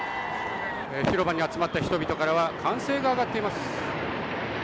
広場に集まった人々からは歓声が上がっています